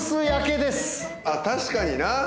確かにな